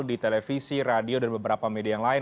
di televisi radio dan beberapa media yang lain